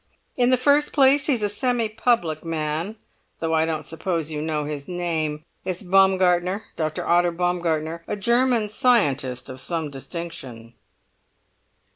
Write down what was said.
In the first place he's a semi public man, though I don't suppose you know his name. It's Baumgartner—Dr. Otto Baumgartner—a German scientist of some distinction."